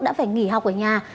đã phải nghỉ học ở nhà